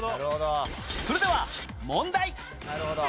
それでは問題